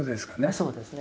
そうですね。